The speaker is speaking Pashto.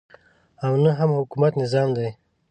او نه هم حکومت نظام دی.